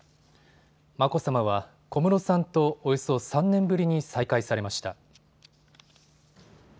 眞子さまは小室さんとおよそ３年ぶりに再会されました。